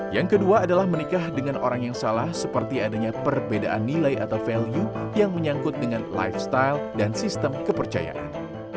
yang kedua adalah menikah dengan orang yang salah seperti adanya perbedaan nilai atau value yang menyangkut dengan lifestyle dan sistem kepercayaan